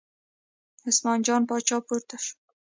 عثمان جان پاچا پورته شو.